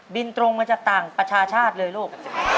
ตรงมาจากต่างประชาชาติเลยลูก